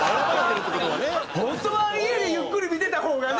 本当は家でゆっくり見てた方がね。